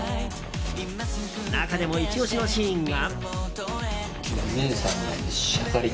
中でも、イチ押しのシーンが。